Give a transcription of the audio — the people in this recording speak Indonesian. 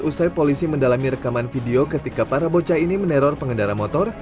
usai polisi mendalami rekaman video ketika para bocah ini meneror pengendara motor